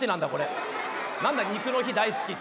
何だ「肉の日大好き」ってよおい。